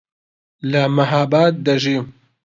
لە مەهاباد دەژیم.